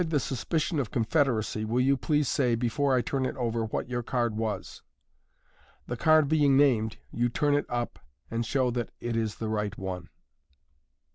53 picion of confederacy, will you please say, before I turn it over, what your card was. " The card being named, you turn it up, and show that it is the right one.